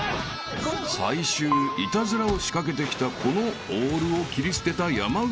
［最終イタズラを仕掛けてきたこのオールを切り捨てた山内］